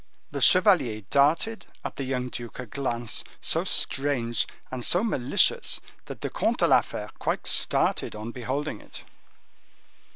The chevalier darted at the young duke a glance so strange, and so malicious, that the Comte de la Fere quite started on beholding it.